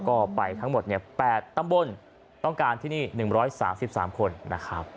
ก็ไปทั้งหมด๘ตำบลต้องการที่นี่๑๓๓คนนะครับ